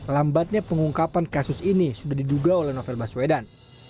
lambatnya pengungkapan kasus ini sudah diduga oleh novel baswedan